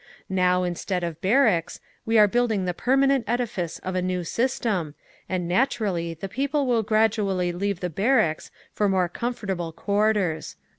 Now, instead of barracks, we are building the permanent edifice of a new system, and naturally the people will gradually leave the barracks for more comfortable quarters."